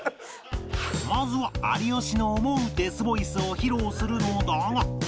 まずは有吉の思うデスボイスを披露するのだが